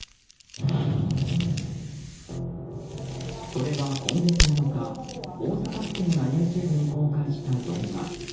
これは今月７日、大阪府警がＹｏｕＴｕｂｅに公開した動画。